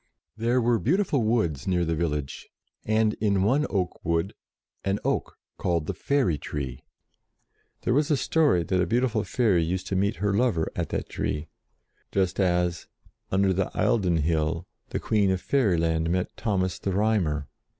There were beautiful woods near the village, and in one oak wood an oak called the Fairy Tree. There was a story that a beautiful fairy used to meet her lover at that tree, just as, under the Eildon Hill, the Queen of Fairyland met Thomas the Rhymer.